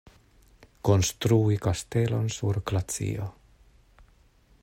Konstrui kastelon sur glacio.